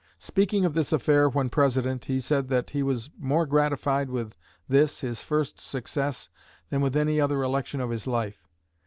Speaking of this affair when President, he said that he was more gratified with this his first success than with any other election of his life.